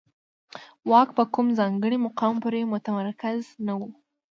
واک په کوم ځانګړي مقام پورې متمرکز نه و